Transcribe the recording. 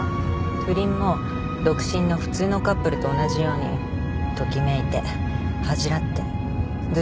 不倫も独身の普通のカップルと同じようにときめいて恥じらってずっと一緒にいたいと思う。